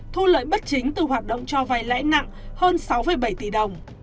thu lợi bất chính từ hoạt động cho vay lãi nặng hơn sáu bảy tỷ đồng